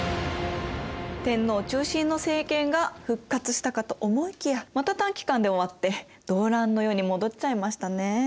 天皇中心の政権が復活したかと思いきやまた短時間で終わって動乱の世に戻っちゃいましたね。